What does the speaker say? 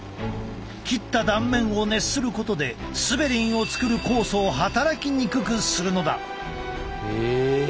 切った断面を熱することでスベリンを作る酵素を働きにくくするのだ。